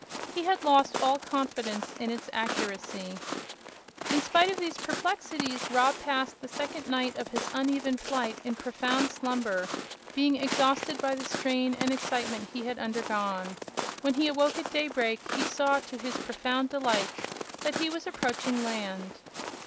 He had lost all confidence in its accuracy. In spite of these perplexities Rob passed the second night of his uneven flight in profound slumber, being exhausted by the strain and excitement he had undergone. When he awoke at daybreak, he saw, to his profound delight, that he was approaching land.